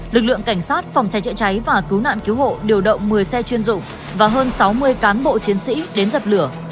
lực lượng cảnh sát phòng cháy chữa cháy và cứu nạn cứu hộ điều động một mươi xe chuyên dụng và hơn sáu mươi cán bộ chiến sĩ đến dập lửa